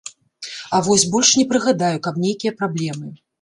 А вось больш не прыгадаю, каб нейкія праблемы.